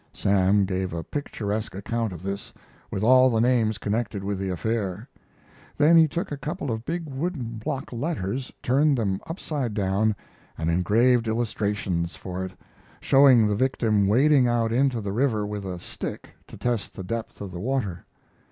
Sam gave a picturesque account of this, with all the names connected with the affair. Then he took a couple of big wooden block letters, turned them upside down, and engraved illustrations for it, showing the victim wading out into the river with a stick to test the depth of the water.